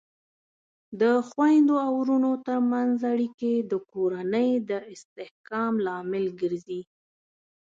د خویندو او ورونو ترمنځ اړیکې د کورنۍ د استحکام لامل ګرځي.